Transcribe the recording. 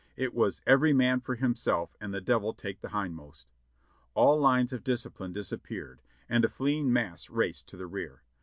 It was "every man for himself, and the Devil take the hindmost."' All lines of discipline disappeared, and a fleeing mass raced to the rear.